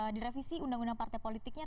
direvisi undang undang partai politiknya